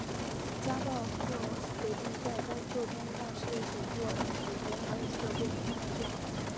加贺昭三决定在该作中让系列首作主角马鲁斯的故事画上句号。